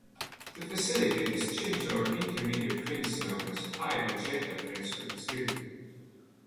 To facilitate this changeover, intermediate prints known as "high magenta" prints were distributed.